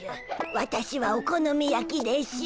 わたしはお好み焼きでしゅ。